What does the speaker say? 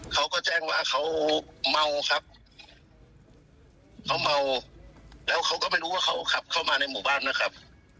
เขาก็แจ้งว่าเขาเมาครับเขาเมาแล้วเขาก็ไม่รู้ว่าเขาขับเข้ามาในหมู่บ้านนะครับ